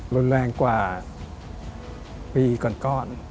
รุนแรงกว่าปีก่อน